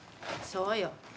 そうよ。